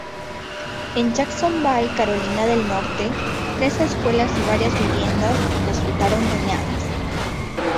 En Jacksonville, Carolina del Norte, tres escuelas y varias viviendas resultaron dañadas.